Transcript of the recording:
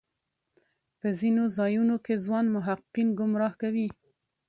په ځینو ځایونو کې ځوان محققین ګمراه کوي.